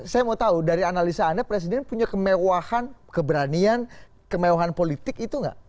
saya mau tahu dari analisa anda presiden punya kemewahan keberanian kemewahan politik itu nggak